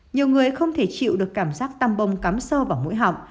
nhiều người không thể chịu được cảm giác tăm bông cắm sâu vào mũi họng